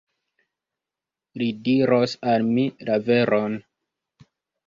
Li diros al mi la veron.